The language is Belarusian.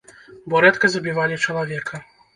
Бо рэдка забівалі чалавека.